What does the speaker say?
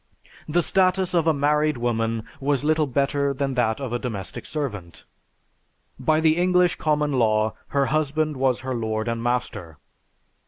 The status of a married woman was little better than that of a domestic servant. By the English Common Law her husband was her lord and master.